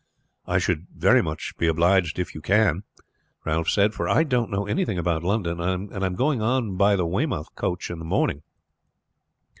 "I should be very much obliged if you can," Ralph said; "for I don't know anything about London, and am going on by the Weymouth coach in the morning."